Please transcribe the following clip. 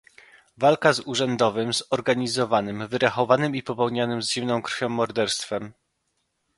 Walka z urzędowym, zorganizowanym, wyrachowanym i popełnianym z zimną krwią morderstwem